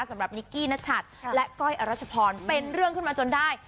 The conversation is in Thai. สำหรับนิกกี้นัชัดและก้อยอรัชพรเป็นเรื่องขึ้นมาจนได้